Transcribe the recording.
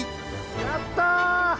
やった！